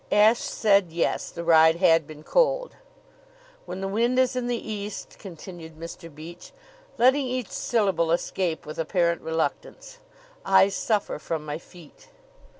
Ashe said yes; the ride had been cold. "When the wind is in the east," continued Mr. Beach, letting each syllable escape with apparent reluctance, "I suffer from my feet."